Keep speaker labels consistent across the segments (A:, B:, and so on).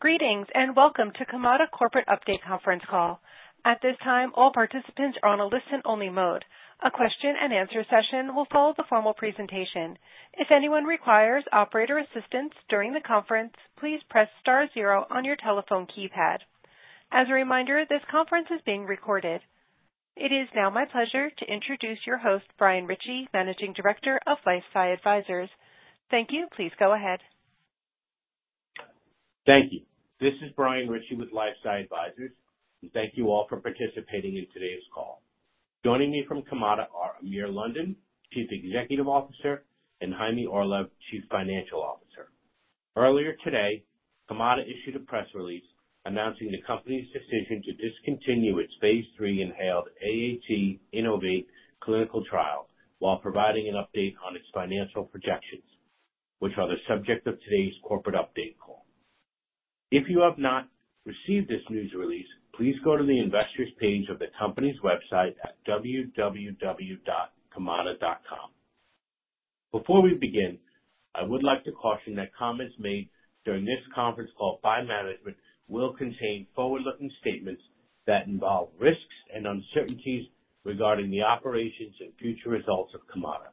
A: Greetings and welcome to Kamada Corporate update conference call. At this time, all participants are on a listen-only mode. A question-and-answer session will follow the formal presentation. If anyone requires operator assistance during the conference, please press star zero on your telephone keypad. As a reminder, this conference is being recorded. It is now my pleasure to introduce your host, Brian Ritchie, Managing Director of LifeSci Advisors. Thank you. Please go ahead.
B: Thank you. This is Brian Ritchie with LifeSci Advisors, and thank you all for participating in today's call. Joining me from Kamada are Amir London, Chief Executive Officer, and Chaime Orlev, Chief Financial Officer. Earlier today, Kamada issued a press release announcing the company's decision to discontinue its Phase 3 Inhaled AAT InnovAATe clinical trial while providing an update on its financial projections, which are the subject of today's corporate update call. If you have not received this news release, please go to the investors' page of the company's website at www.kamada.com. Before we begin, I would like to caution that comments made during this conference call by management will contain forward-looking statements that involve risks and uncertainties regarding the operations and future results of Kamada.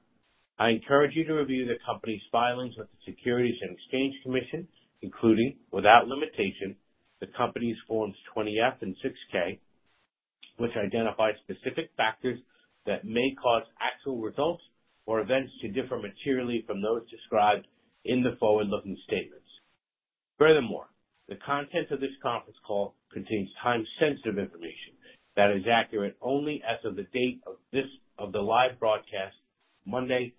B: I encourage you to review the company's filings with the Securities and Exchange Commission, including, without limitation, the company's Forms 20-F and 6-K, which identify specific factors that may cause actual results or events to differ materially from those described in the forward-looking statements. Furthermore, the content of this conference call contains time-sensitive information that is accurate only as of the date of the live broadcast, Monday,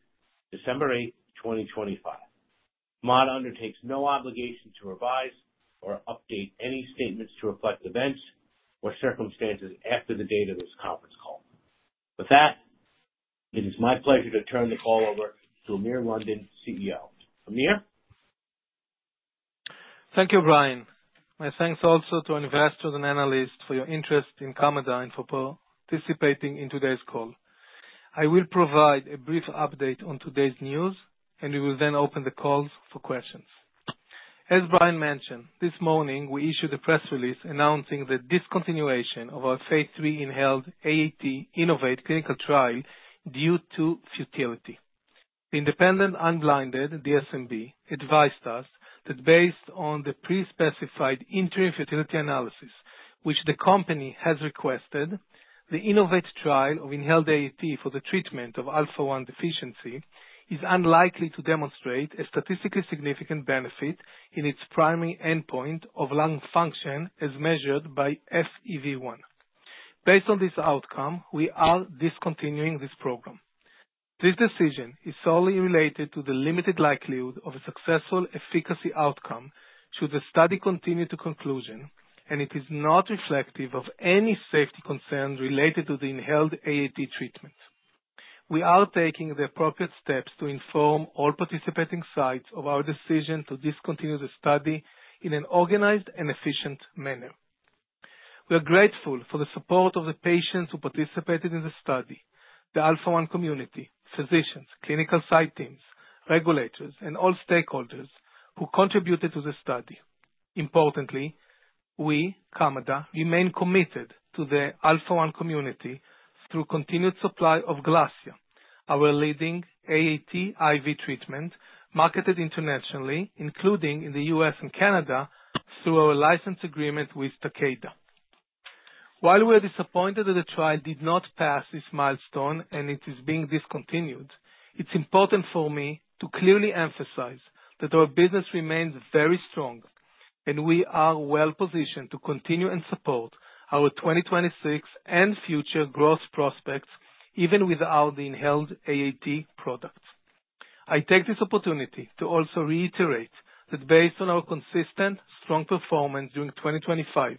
B: December 8th, 2025. Kamada undertakes no obligation to revise or update any statements to reflect events or circumstances after the date of this conference call. With that, it is my pleasure to turn the call over to Amir London, CEO. Amir?
C: Thank you, Brian. My thanks also to investors and analysts for your interest in Kamada and for participating in today's call. I will provide a brief update on today's news, and we will then open the call for questions. As Brian mentioned, this morning we issued a press release announcing the discontinuation of our Phase 3 Inhaled AAT InnovAATe clinical trial due to futility. The independent unblinded DSMB advised us that based on the pre-specified interim futility analysis, which the company has requested, the InnovAATe trial of Inhaled AAT for the treatment of Alpha-1 deficiency is unlikely to demonstrate a statistically significant benefit in its primary endpoint of lung function as measured by FEV1. Based on this outcome, we are discontinuing this program. This decision is solely related to the limited likelihood of a successful efficacy outcome should the study continue to conclusion, and it is not reflective of any safety concerns related to the Inhaled AAT treatment. We are taking the appropriate steps to inform all participating sites of our decision to discontinue the study in an organized and efficient manner. We are grateful for the support of the patients who participated in the study, the Alpha-1 community, physicians, clinical site teams, regulators, and all stakeholders who contributed to the study. Importantly, we, Kamada, remain committed to the Alpha-1 community through continued supply of GLASSIA, our leading AAT-IV treatment marketed internationally, including in the U.S. and Canada, through our license agreement with Takeda. While we are disappointed that the trial did not pass this milestone and it is being discontinued, it's important for me to clearly emphasize that our business remains very strong and we are well-positioned to continue and support our 2026 and future growth prospects even without the Inhaled AAT products. I take this opportunity to also reiterate that based on our consistent, strong performance during 2025,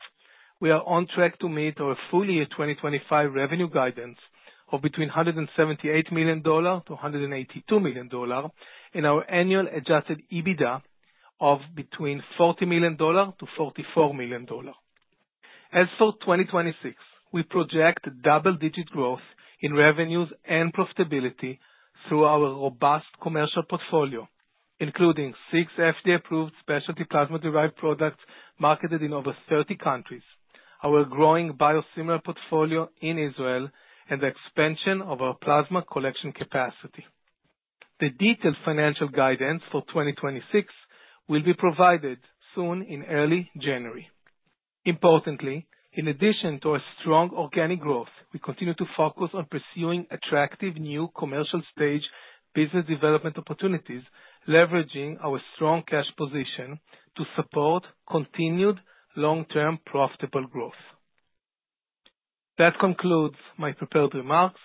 C: we are on track to meet our full year 2025 revenue guidance of between $178 million-$182 million and our annual Adjusted EBITDA of between $40 million-$44 million. As for 2026, we project double-digit growth in revenues and profitability through our robust commercial portfolio, including six FDA-approved specialty plasma-derived products marketed in over 30 countries, our growing biosimilar portfolio in Israel, and the expansion of our plasma collection capacity. The detailed financial guidance for 2026 will be provided soon in early January. Importantly, in addition to our strong organic growth, we continue to focus on pursuing attractive new commercial-stage business development opportunities, leveraging our strong cash position to support continued long-term profitable growth. That concludes my prepared remarks.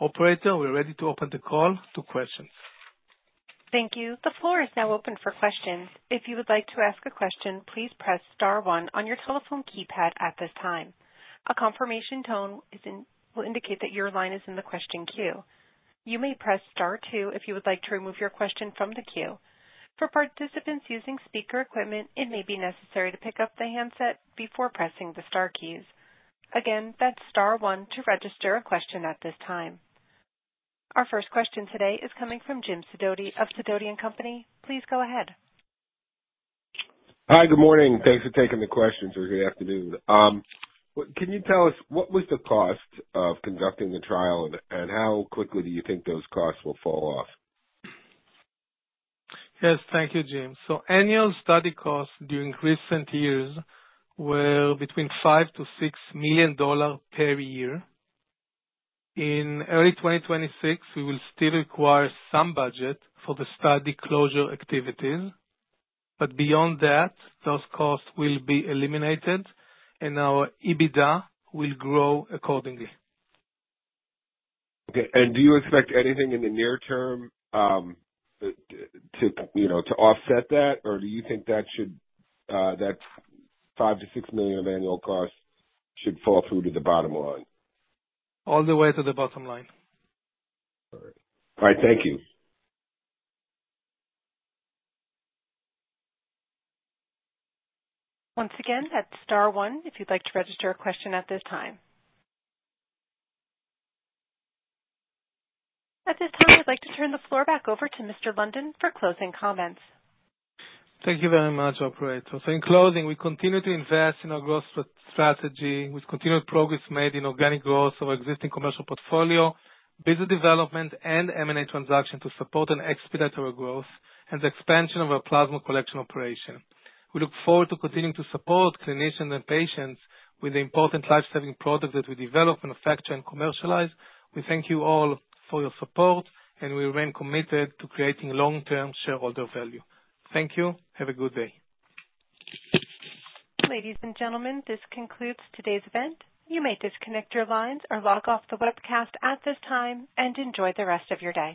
C: Operator, we're ready to open the call to questions.
A: Thank you. The floor is now open for questions. If you would like to ask a question, please press star one on your telephone keypad at this time. A confirmation tone will indicate that your line is in the question queue. You may press star two if you would like to remove your question from the queue. For participants using speaker equipment, it may be necessary to pick up the handset before pressing the star keys. Again, that's star one to register a question at this time. Our first question today is coming from Jim Sidoti of Sidoti & Company. Please go ahead.
D: Hi, good morning. Thanks for taking the questions, or good afternoon. Can you tell us what was the cost of conducting the trial and how quickly do you think those costs will fall off?
C: Yes, thank you, Jim. So annual study costs during recent years were between $5-$6 million per year. In early 2026, we will still require some budget for the study closure activities, but beyond that, those costs will be eliminated and our EBITDA will grow accordingly.
D: Okay. And do you expect anything in the near term to offset that, or do you think that $5-$6 million of annual costs should fall through to the bottom line?
C: All the way to the bottom line.
D: All right. Thank you.
A: Once again, that's star one if you'd like to register a question at this time. At this time, I'd like to turn the floor back over to Mr. London for closing comments.
C: Thank you very much, Operator. So in closing, we continue to invest in our growth strategy with continued progress made in organic growth of our existing commercial portfolio, business development, and M&A transaction to support and expedite our growth and the expansion of our plasma collection operation. We look forward to continuing to support clinicians and patients with the important lifesaving products that we develop, manufacture, and commercialize. We thank you all for your support, and we remain committed to creating long-term shareholder value. Thank you. Have a good day.
A: Ladies and gentlemen, this concludes today's event. You may disconnect your lines or log off the webcast at this time and enjoy the rest of your day.